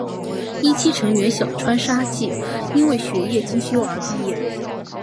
一期成员小川纱季因为学业进修而毕业。